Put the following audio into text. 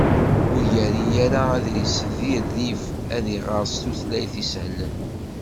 Ur yerri ara aḍris di rrif ad iɣer s tutlayt isehlen.